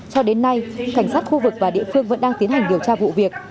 cho đến nay cảnh sát khu vực và địa phương vẫn đang tiến hành điều tra vụ việc